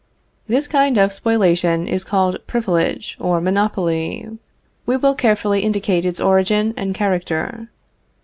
This kind of spoliation is called privilege or monopoly. We will carefully indicate its origin and character.